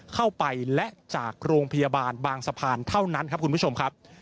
เข้าไปและจากโรงพยาบาลบางสะพานเท่านั้นครับคุณผู้ชมครับ